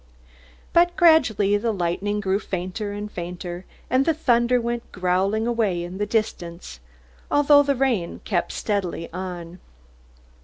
But gradually the lightning grew fainter and fainter, and the thunder went growling away in the distance, although the rain kept steadily on.